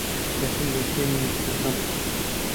دەچم بۆ شوێنی نوستنەکەم.